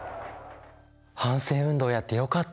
反戦運動やってよかったね。